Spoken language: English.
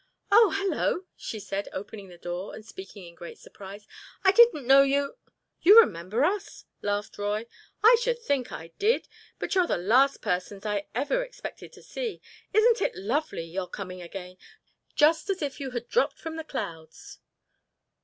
"Oh, hello," she said, opening the door and speaking in great surprise. "I didn't know you——" "You remember us?" laughed Roy. "I should think I did, but you're the last persons I ever expected to see. Isn't it lovely, your coming again—just as if you had dropped from the clouds!"